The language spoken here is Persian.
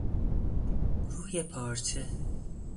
روی پارچه